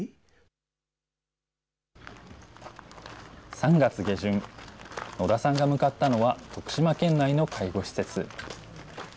３月下旬、野田さんが向かったのは徳島県内の介護施設。